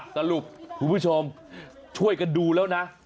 สรุปคุณผู้ชมช่วยกันดูแล้วนะ